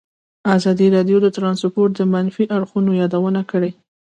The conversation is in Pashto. ازادي راډیو د ترانسپورټ د منفي اړخونو یادونه کړې.